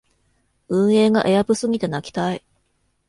運営がエアプすぎて泣きたい